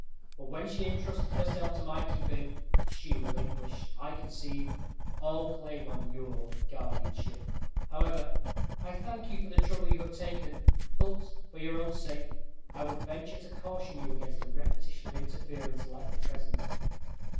But when she entrusted herself to my keeping, she relinquished, I conceive, all claim on your guardianship: however, I thank you for the trouble you have taken; but, for your own sake, I would venture to caution you against a repetition of interference like the present."